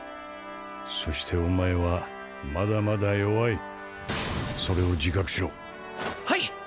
そしてお前はまだまだ弱いそれを自覚しろはい！